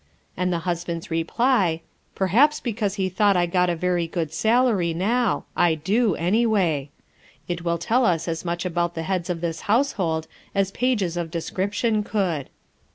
and the husband's reply: "Perhaps because he thought I got a very good salary now; I do, anyway;" it will tell as much about the heads of this household as pages of description could.